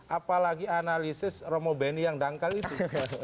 apalagi analisis romo beni yang dangkal itu